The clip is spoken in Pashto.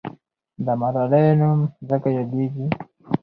د ملالۍ نوم ځکه یاديږي.